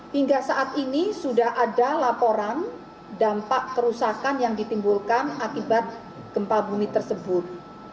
hingga saat ini sudah ada laporan dampak kerusakan yang ditimbulkan akibat gempa bumi tersebut